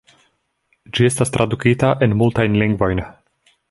Ĝi estas tradukita en multajn lingvojn.